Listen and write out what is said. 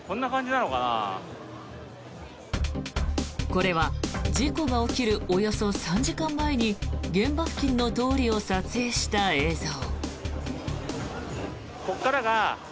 これは事故が起きるおよそ３時間前に現場付近の通りを撮影した映像。